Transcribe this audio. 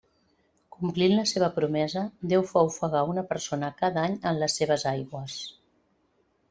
Complint la seva promesa Déu fa ofegar una persona cada any en les seves aigües.